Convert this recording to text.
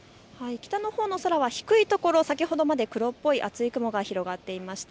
北のほうの空、低いところ先ほどまで黒っぽい厚い雲が広がっていました。